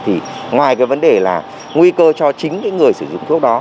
thì ngoài cái vấn đề là nguy cơ cho chính cái người sử dụng thuốc đó